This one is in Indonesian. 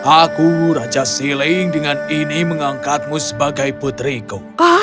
aku raja siling dengan ini mengangkatmu sebagai putriku